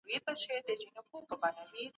دولت د عاید په وېش کي مرسته کوي.